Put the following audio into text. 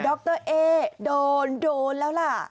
ดรเอ๊โดนแล้วล่ะ